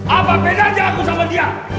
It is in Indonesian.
apa bedanya aku sama dia